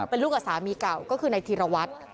เป็นลูกกับสามีเก่าก็คือในจีนระวัต